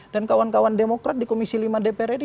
dan kawan kawan demokrat di komisi lima dpr ri